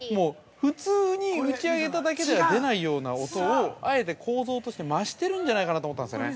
普通に打ち上げただけでは出ないような音をあえて構造として増してるんじゃないかなと思ったんですよね。